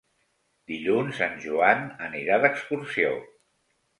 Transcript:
Dilluns en Joan anirà d'excursió.